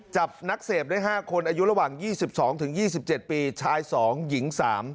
จับนักเสพได้๕คนอายุระหว่าง๒๒๒๗ปีชาย๒หญิง๓